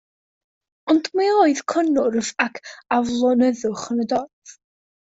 Ond mi oedd cynnwrf ac aflonyddwch yn y dorf.